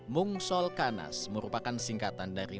mungsolkanas merupakan singkatan dari